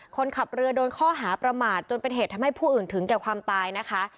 คนขับเรือโดนข้อหาประมาทจนเป็นเหตุทำให้ผู้อื่นถึงแก่ความตายนะคะ